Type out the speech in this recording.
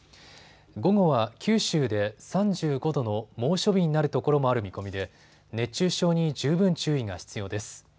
午後は九州で３５度の猛暑日になるところもある見込みで熱中症に十分注意が必要です。